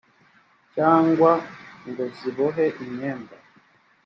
cyangwa ngo zibohe imyenda